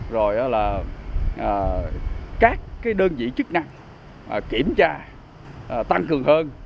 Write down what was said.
rồi là các đơn vị chức năng kiểm tra tăng cường hơn